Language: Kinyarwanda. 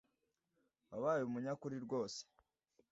wabaye umunyakuri rwose